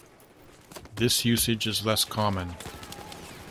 This usage is less common.